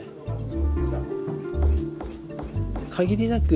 限りなく